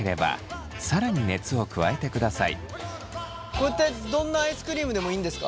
これってどんなアイスクリームでもいいんですか？